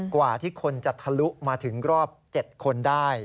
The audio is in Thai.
กว่าที่คนจะทะลุมาถึงรอบ๗คนได้